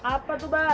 apa tuh pak